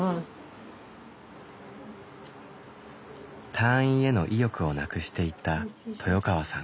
退院への意欲をなくしていった豊川さん。